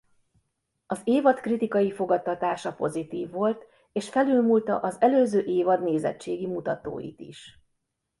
Az évad kritikai fogadtatása pozitív volt és felülmúlta az előző évad nézettségi mutatóit is.